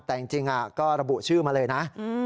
แต่จริงก็ระบุชื่อมาเลยนะ